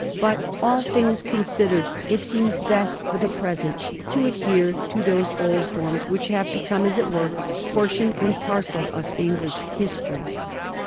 But, all things considered, it seems best for the present to adhere to those old forms which have become, as it were, portion and parcel of English history.